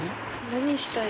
何したい？